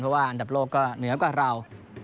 เพราะว่าอันดับโลกก็เหนือกว่าเรา